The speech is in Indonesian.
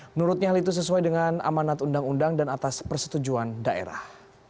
menurutnya hal itu sesuai dengan amanat undang undang dan atas persetujuan daerah